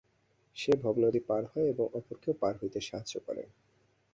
সে ভবনদী পার হয়, এবং অপরকেও পার হইতে সাহায্য করে।